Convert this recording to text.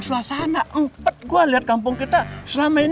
lo gak perlu gue apa apain